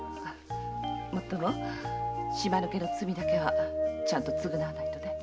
もっとも島抜けの罪だけはちゃんと償わないとね。